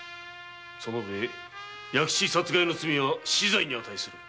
その上弥吉殺害の罪は死罪に値する。